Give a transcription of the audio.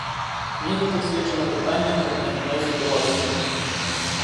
Кніга прысвечана пытанням этнагенезу беларусаў.